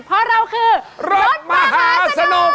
เพราะเราคือรถมหาสนุก